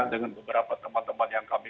dengan beberapa teman teman yang kami